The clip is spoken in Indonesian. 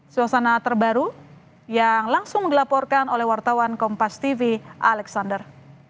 suasana terbaru yang langsung dilaporkan oleh wartawan kompas tv alexander